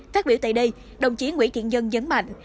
phát biểu tại đây đồng chí nguyễn thiện dân dấn mạnh